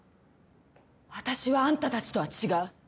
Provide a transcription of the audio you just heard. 私はあんたたちとは違う。